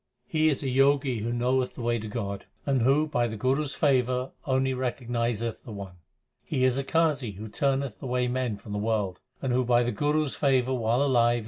2 He is a Jogi who knoweth the way to God, And who by the Guru s favour only recognizeth the One. He is a Qazi who turneth away men from the world, And who by the Guru s favour while alive is dead.